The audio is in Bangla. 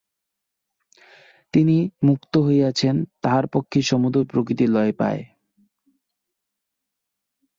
যিনি মুক্ত হইয়াছেন, তাঁহার পক্ষেই সমুদয় প্রকৃতি লয় পায়।